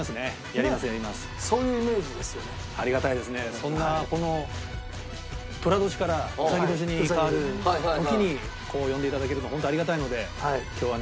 そんなこの寅年から卯年に変わる時に呼んでいただけるのは本当ありがたいので今日はね